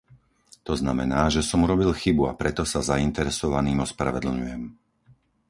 To znamená, že som urobil chybu a preto sa zainteresovaným ospravedlňujem.